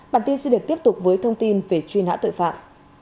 bản tin sẽ được tiếp tục với thông tin về truy nã tội phạm